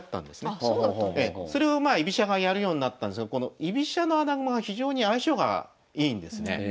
あそうだったんですか。それをまあ居飛車がやるようになったんですがこの居飛車の穴熊が非常に相性がいいんですね。